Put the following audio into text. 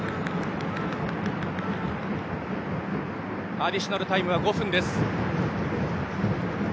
アディショナルタイムは５分です。